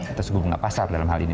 atas suku bunga pasar dalam hal ini